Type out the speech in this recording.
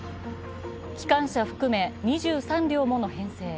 機関車含め２３両もの編成。